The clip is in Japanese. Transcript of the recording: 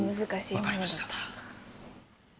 分かりました。